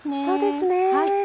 そうですね。